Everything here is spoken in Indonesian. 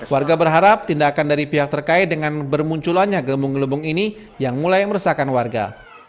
warga berharap tindakan dari pihak terkait dengan bermunculannya gelembung gelembung ini yang mulai meresahkan warga